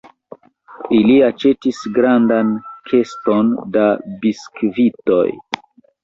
Ili aĉetis grandan keston da biskvitoj.